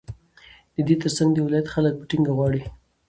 ددې ترڅنگ د ولايت خلك په ټينگه غواړي،